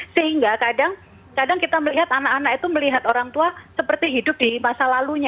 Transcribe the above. sehingga kadang kadang kita melihat anak anak itu melihat orang tua seperti hidup di masa lalunya